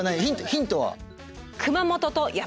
ヒントは。